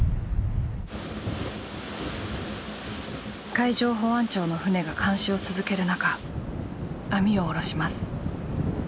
海上保安庁の船が監視を続ける中網を下ろします。